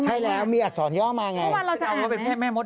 ใช่แล้วมีอัศษยอมมาใช่ไง